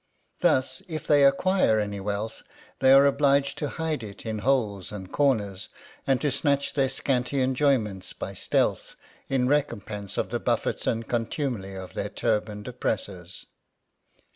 Thus, if they acquire any wealth, they are obliged to hide it in holes and corners, and to snatch their scanty enjoyments by stealth, in re compense of the buffets and contumely of their turbaned oppressors.